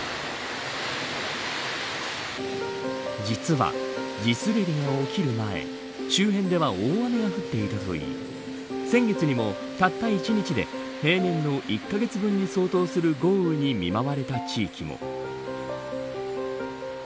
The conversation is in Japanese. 実は、地滑りが起きる前周辺では大雨が降っていたといい先月にも、たった１日で平年の１カ月分に相当する豪雨に見舞われた地域も。